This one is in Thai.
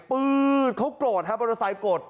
ปื๊ดเขากลดมอเตอร์ไซต์กลด